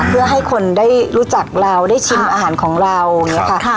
เพื่อให้คนได้รู้จักเราได้ชิมอาหารของเราอย่างนี้ค่ะ